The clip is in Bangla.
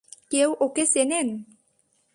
কেউ ওকে চেনেন?